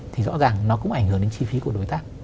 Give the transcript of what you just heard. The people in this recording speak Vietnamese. thì rõ ràng nó cũng ảnh hưởng đến chi phí của đối tác